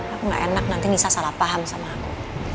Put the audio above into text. aku gak enak nanti nisa salah paham sama aku